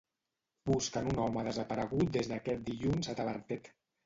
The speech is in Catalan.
Busquen un home desaparegut des d'aquest dilluns a Tavertet.